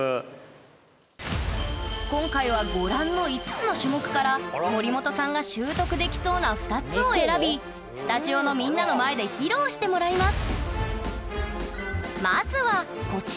今回はご覧の５つの種目から森本さんが習得できそうな２つを選びスタジオのみんなの前で披露してもらいます！